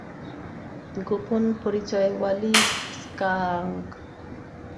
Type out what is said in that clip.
গোপন পরিচয়ওয়ালী স্কাঙ্ক।